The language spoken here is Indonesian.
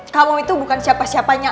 kamu itu bukan siapa siapanya